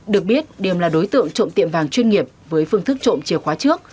được biết điềm là đối tượng trộm tiệm vàng chuyên nghiệp với phương thức trộm chìa khóa trước